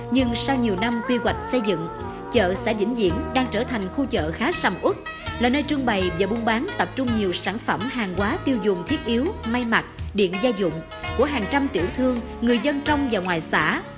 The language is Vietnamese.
nhưng sau nhiều năm quy hoạch xây dựng chợ xã vĩnh diễn đang trở thành khu chợ khá sầm út là nơi trưng bày và buôn bán tập trung nhiều sản phẩm hàng hóa tiêu dùng thiết yếu may mặt điện gia dụng của hàng trăm tiểu thương người dân trong và ngoài xã